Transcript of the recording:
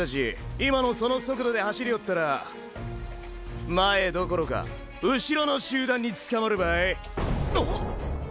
今のその速度で走りよったら前どころかうしろの集団につかまるばい！！！！